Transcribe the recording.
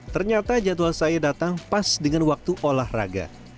ternyata jadwal saya datang pas dengan waktu olahraga